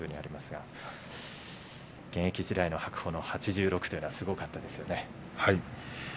現役時代の８６というのはすごかったですね。